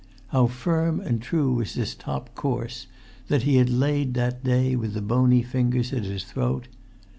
How firm and true was this top course, that he had laid that day with the bony fingers at his throat!